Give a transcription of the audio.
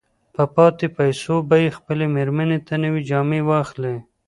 په پاتې پيسو به يې خپلې مېرمې ته نوې جامې واخلي.